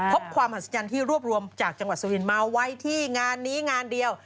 ความมหัศจรรย์ที่รวบรวมจากจังหวัดสุรินทร์มาไว้ที่งานนี้งานเดียว